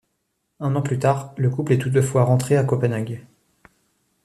Un an plus tard, le couple est toutefois rentré à Copenhague.